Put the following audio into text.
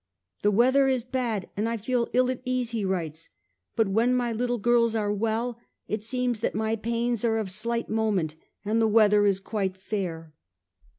*The weather is bad, and I feel as may be ill at ease,' he writes, 'but when my little pen in his girls ai*e well, it seems that my own pains Fronto, are of slight moment, and the weather is quite fair.'